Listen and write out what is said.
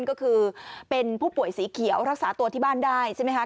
ก็คือเป็นผู้ป่วยสีเขียวรักษาตัวที่บ้านได้ใช่ไหมคะ